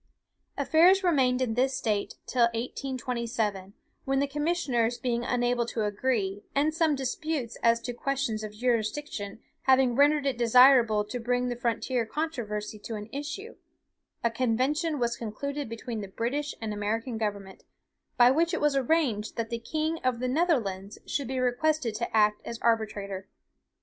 "Affairs remained in this state till 1827, when the commissioners being unable to agree, and some disputes as to questions of jurisdiction having rendered it desirable to bring the frontier controversy to an issue, a convention was concluded between the British and American government, by which it was arranged that the king of the Netherlands should be requested to act as arbitrator.